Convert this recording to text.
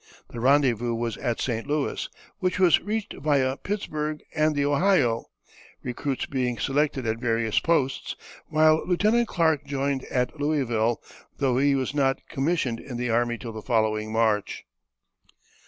The rendezvous was at St. Louis, which was reached via Pittsburgh and the Ohio, recruits being selected at various posts, while Lieutenant Clark joined at Louisville, though he was not commissioned in the army till the following March.